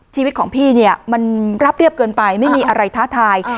ชีวิตของพี่เนี่ยมันรับเรียบเกินไปไม่มีอะไรท้าทาย